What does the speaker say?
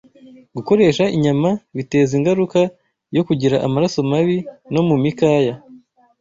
Gukoresha inyama biteza ingaruka yo kugira amaraso mabi no mu mikaya